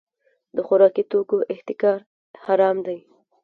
د خوراکي توکو احتکار حرام دی.